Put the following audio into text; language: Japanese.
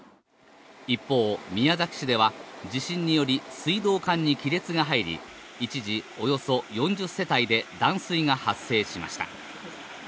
一方、宮崎市では地震により水道管に亀裂が入り一時、およそ４０世帯で断水が発生しました。